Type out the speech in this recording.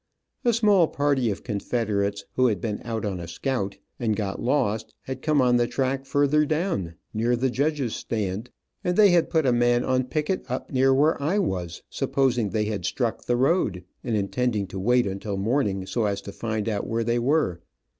A small party of Confederates, who had been out on a scout, and got lost, had come on the track further down, near the judges' stand, and they had put a man, on picket up near where I was, supposing they had struck the road, and intending to wait until morning so as to find out where they were.